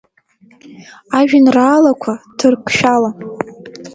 Ажәаеинраалақәа, ҭырқәшәала.